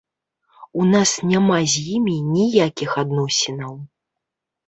У нас няма з імі ніякіх адносінаў.